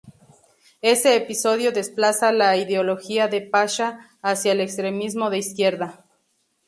Ese episodio desplaza la ideología de Pasha hacia el extremismo de izquierda.